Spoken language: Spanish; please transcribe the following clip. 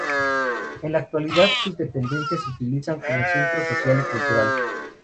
En la actualidad sus dependencias se utilizan como centro social y cultural.